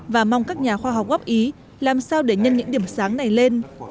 và mong các nhà khoa học góp ý làm sao để nhân những điểm sáng này lên